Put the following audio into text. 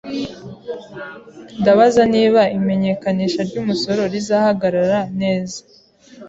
Ndabaza niba imenyekanisha ry'umusoro rizahagarara neza.